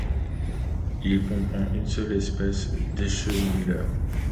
Il comprend une seule espèce d'échenilleurs.